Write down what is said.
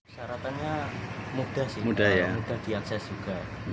saratannya mudah sih mudah diakses juga